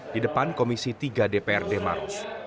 di depan komisi tiga dprd maros